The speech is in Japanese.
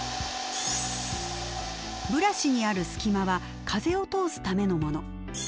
ブラシにある隙間は風を通すためのもの。